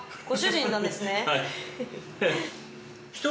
ご主人なんですね。